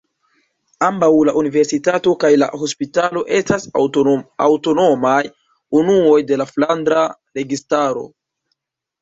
Ambaŭ la universitato kaj la hospitalo estas aŭtonomaj unuoj de la Flandra Registaro.